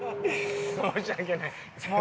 申し訳ない。